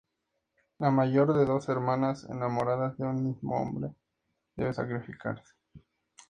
La mayor de dos hermanas enamoradas de un mismo hombre debe sacrificarse.